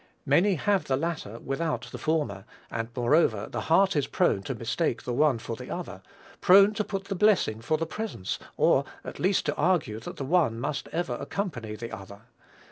Many have the latter without the former; and, moreover, the heart is prone to mistake the one for the other, prone to put the blessing for the presence; or at least to argue that the one must ever accompany the other.